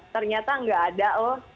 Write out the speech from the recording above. ternyata enggak ada loh